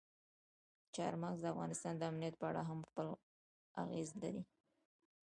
چار مغز د افغانستان د امنیت په اړه هم خپل اغېز لري.